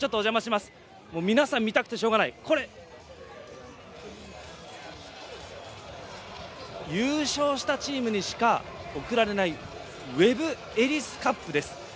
皆さん、見たくて、しょうがない。優勝したチームにしか贈られないウェブ・エリス・カップです。